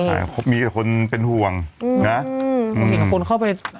ใช่เพราะมีกับคนเป็นห่วงอืมนะอืมมีกับคนเข้าไป